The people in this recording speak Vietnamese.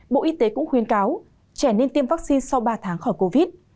bộ y tế cũng khuyên cáo trẻ nên tiêm vaccine sau ba tháng khỏi covid